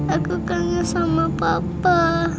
aku kangen sama papa